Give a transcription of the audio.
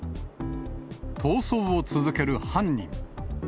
逃走を続ける犯人。